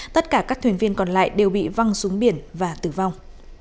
tất cả các thuyền viên còn lại đều bị văng xuống biển và tử vong